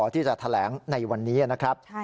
ที่จะแถลงในวันนี้นะครับ